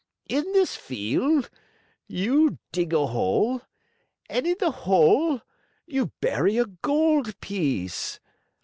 In this field you dig a hole and in the hole you bury a gold piece.